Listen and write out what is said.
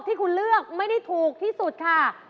ที่คุณเลือกไม่ได้ถูกที่สุดค่ะ